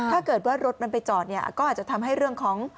ถ้าเกิดว่ารถมันไปจอดเนี่ยก็อาจจะทำให้เรื่องของ